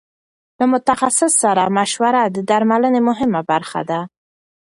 له متخصص سره مشوره د درملنې مهمه برخه ده.